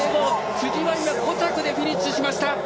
辻は今、５着でフィニッシュしました。